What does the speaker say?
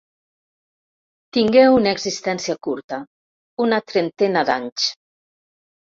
Tingué una existència curta: una trentena d'anys.